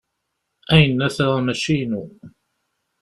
Ayennat-agi mačči inu.